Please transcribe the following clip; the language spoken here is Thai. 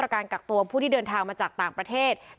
เพราะว่าตอนนี้จริงสมุทรสาของเนี่ยลดระดับลงมาแล้วกลายเป็นพื้นที่สีส้ม